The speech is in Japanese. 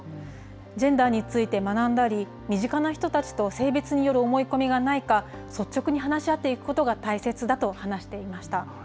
ジェンダーについて学んだり、身近な人たちと性別による思い込みがないか、率直に話し合っていくことが大切だと話していました。